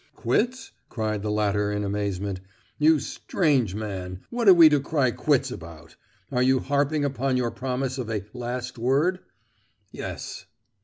"Quits?" cried the latter, in amazement; "you strange man, what are we to cry quits about? Are you harping upon your promise of a 'last word'?" "Yes."